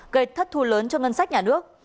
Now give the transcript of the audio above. gây thất thu lớn cho ngân sách nhà nước